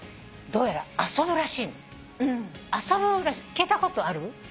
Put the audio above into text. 聞いたことある？